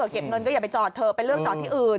เก็บเงินก็อย่าไปจอดเถอะไปเลือกจอดที่อื่น